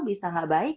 bisa gak baik